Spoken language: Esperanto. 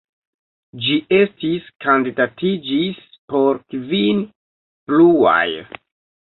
Ĝi estis kandidatiĝis por kvin pluaj.